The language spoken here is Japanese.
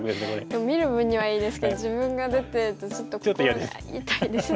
でも見る分にはいいですけど自分が出てるとちょっと心が痛いですね。